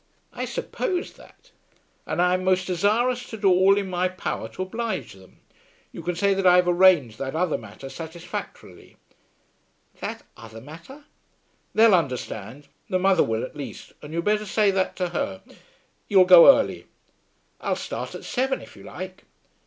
"I supposed that." "And I am most desirous to do all in my power to oblige them. You can say that I have arranged that other matter satisfactorily." "That other matter?" "They'll understand. The mother will at least, and you'd better say that to her. You'll go early." "I'll start at seven if you like."